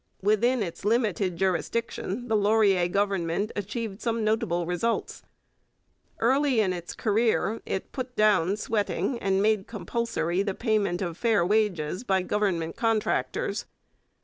Within its limited jurisdiction the Laurier Government achieved some notable results. Early in its career it put down sweating and made compulsory the payment of fair wages by government contractors.